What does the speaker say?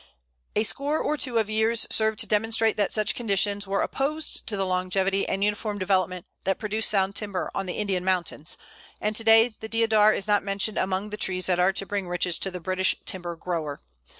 A score or two of years served to demonstrate that such conditions were opposed to the longevity and uniform development that produced sound timber on the Indian mountains; and to day the Deodar is not mentioned among the trees that are to bring riches to the British timber grower.